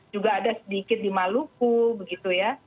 juga ada sedikit di maluku begitu ya